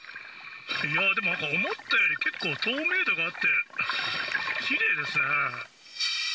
思ったより結構透明度があって、きれいですね。